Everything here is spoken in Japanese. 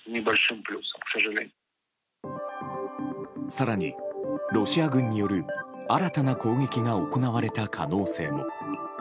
更に、ロシア軍による新たな攻撃が行われた可能性も。